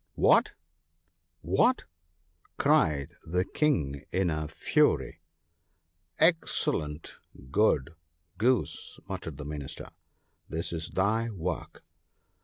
* What ! what !' cried the King in a fury. * Excellent good, Goose !' muttered the Minister. ' This is thy work